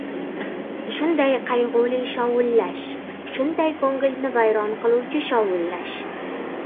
Shunday qayg‘uli shovullash, shunday ko‘ngilni vayron qiluvchi shovullash!